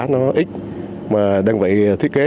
nó ít mà đơn vị thiết kế